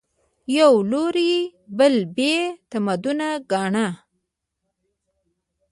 یوه لوري بل بې تمدنه ګاڼه